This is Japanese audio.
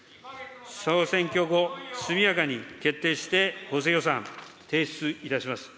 総選挙後、速やかに決定して、補正予算、提出いたします。